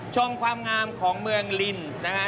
ชมความงามของเมืองลินส์นะฮะ